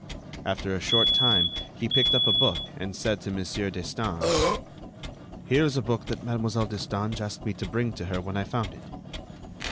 After a short time he picked up a book and said to Monsieur Destange: "Here is a book that Mademoiselle Destange asked me to bring to her when I found it."